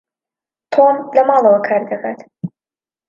تۆم لە ماڵەوە کار دەکات.